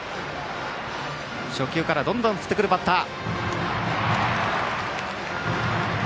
初球からどんどん振ってくるバッター。